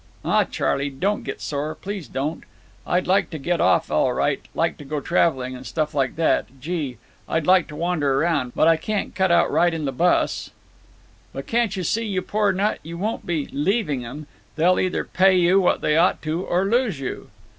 "Aw, Charley, don't get sore; please don't! I'd like to get off, all right—like to go traveling, and stuff like that. Gee! I'd like to wander round. But I can't cut out right in the bus—" "But can't you see, you poor nut, you won't be leaving 'em—they'll either pay you what they ought to or lose you."